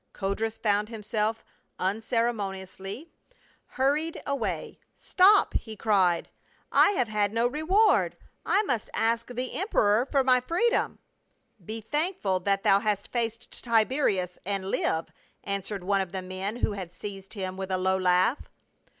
Codrus found himself unceremoniously hurried THE RECLUSE OF CAPRAE. 65 away. "Stop!" he cried. "I have had no reward. I must ask the emperor for my freedom." "Be thankful that thou hast faced Tiberius and live," answered one of the men who had seized him, with a low laugh.